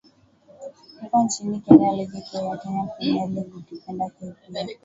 huko nchini kenya ligi kuu ya kenya premier league ukipenda kpl